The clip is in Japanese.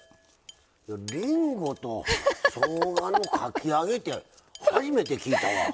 りんごとしょうがのかき揚げって初めて聞いたわ。